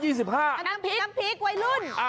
น้ำพริกน้ำพริกวัยรุ่น